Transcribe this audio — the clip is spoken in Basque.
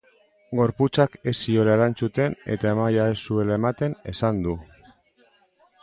Gorputzak ez ziola erantzuten eta maila ez zuela ematen esan du.